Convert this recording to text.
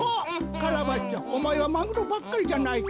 カラバッチョおまえはマグロばっかりじゃないか。